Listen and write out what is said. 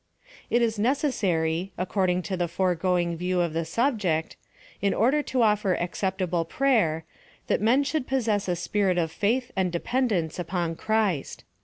It is necessary, according to the foregoing view of the subject, in order to offer acceptable prayer, that men should possess a spirit of faith and depend ence upon Christ.